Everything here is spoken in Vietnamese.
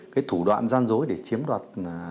cái thủ đoạn gian dối để chiếm đoạt